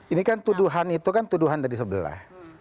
ini kan tuduhan itu kan tuduhan dari sebelah